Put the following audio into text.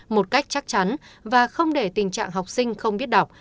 một cách chắc chắn và không để tình trạng học sinh không biết đọc